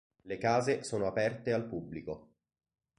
Le case sono aperte al pubblico.